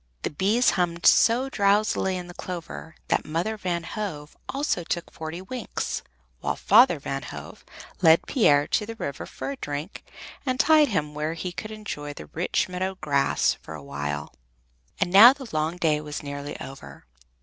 The bees hummed so drowsily in the clover that Mother Van Hove also took forty winks, while Father Van Hove led Pier to the river for a drink; and tied him where he could enjoy the rich meadow grass for a while. And now the long day was nearly over.